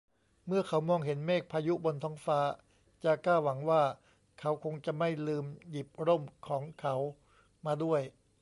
เมื่อเขามองเห็นเมฆพายุบนท้องฟ้า จาก้าหวังว่า เขาคงจะไม่ลืมหยิบร่มของเขามาด้วย